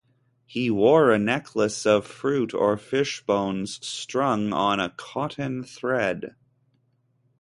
He wore a necklace of fruit or fishbones strung on a cotton thread.